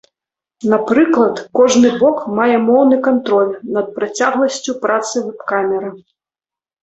Напрыклад, кожны бок мае моўны кантроль над працягласцю працы вэб-камеры.